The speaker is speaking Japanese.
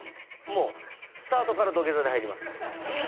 もうスタートから土下座で入ります